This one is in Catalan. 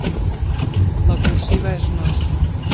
La cursiva és nostra.